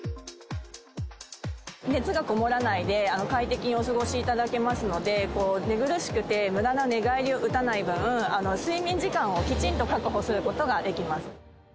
熱がこもらないで快適にお過ごしいただけますので、寝苦しくて、むだな寝返りを打たない分、睡眠時間をきちんと確保することができます。